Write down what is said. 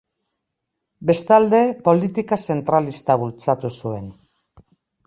Bestalde, politika zentralista bultzatu zuen.